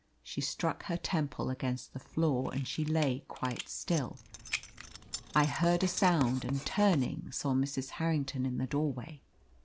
She struck her temple against the floor, and she lay quite still. I heard a sound, and turning, saw Mrs. Harrington in the doorway.